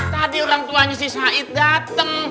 tadi orang tuanya si said datang